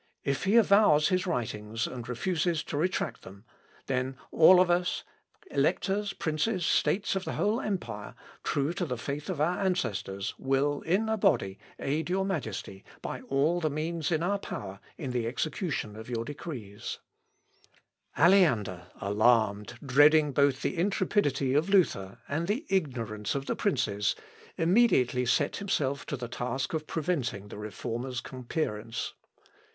If he avows his writings, and refuses to retract them, then all of us, electors, princes, states of the whole empire, true to the faith of our ancestors, will, in a body, aid your majesty, by all the means in our power, in the execution of your decrees. L. Op. (L.) xxii, p. 567. [Sidenote: TACTICS OF ALEANDER.] Aleander, alarmed, dreading both the intrepidity of Luther and the ignorance of the princes, immediately set himself to the task of preventing the Reformer's compearance.